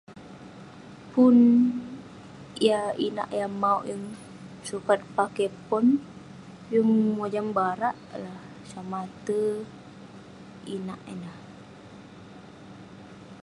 Pun yah inak yah maok yeng sukat pakey pon. Yeng mojam barak lah, somah ate inak ineh.